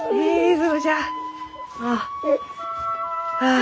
あ。